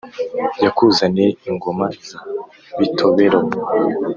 yakuzaniye ingoma za bitobero,